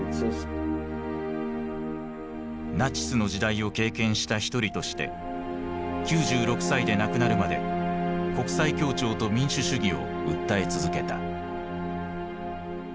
ナチスの時代を経験した一人として９６歳で亡くなるまで国際協調と民主主義を訴え続けた。